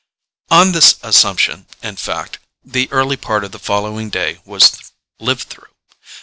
On this assumption, in fact, the early part of the following day was lived through.